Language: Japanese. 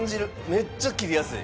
めっちゃ切りやすい。